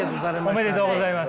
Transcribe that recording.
おめでとうございます。